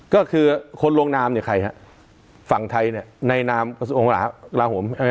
ก็คือคนลงนามเนี่ยใครฮะฝั่งไทยเนี่ยในนามกระทรวงกลาโหม